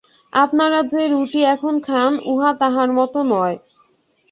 আপনারা যে রুটি এখন খান, উহা তাহার মত নয়।